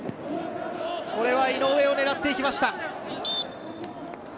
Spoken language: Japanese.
これは井上を狙ってきました。